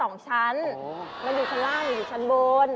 มันอยู่ชั้นล่างหรืออยู่ชั้นบน